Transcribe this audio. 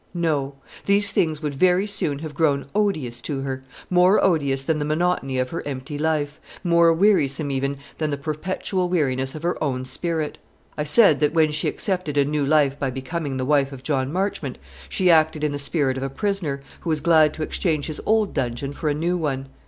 No; these things would very soon have grown odious to her more odious than the monotony of her empty life, more wearisome even than the perpetual weariness of her own spirit. I said, that when she accepted a new life by becoming the wife of John Marchmont, she acted in the spirit of a prisoner, who is glad to exchange his old dungeon for a new one.